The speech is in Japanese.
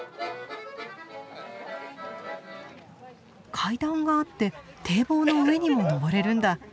階段があって堤防の上にも上れるんだ。